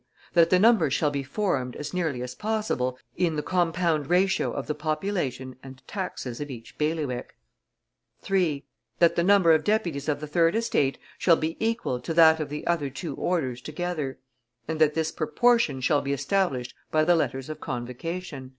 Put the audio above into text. That the number shall be formed, as nearly as possible, in the, compound ratio of the population and taxes of each bailiwick; 3. That the number of deputies of the third estate shall be equal to that of the two other orders together, and that this proportion shall be established by the letters of convocation."